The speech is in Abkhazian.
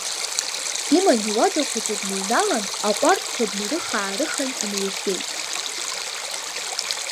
Иман иуада хәыҷы дныҩналан, аҟәардәқәа днарыха-аарыхан инаиртәеит.